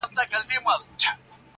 ماشوم وم چي بوډا کیسه په اوښکو لمبوله،